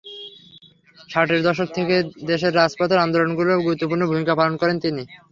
ষাটের দশক থেকে দেশের রাজপথের আন্দোলনগুলোয় গুরুত্বপূর্ণ ভূমিকা পালন করেন তিনি।